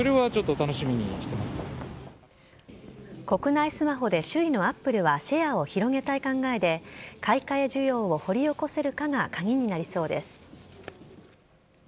国内スマホで首位のＡｐｐｌｅはシェアを広げたい考えで買い替え需要を掘り起こせるかが鍵になりそうです。